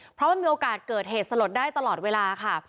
เพราะมันมีโอกาสเกิดเหตุสลดได้ตลอดเวลาค่ะ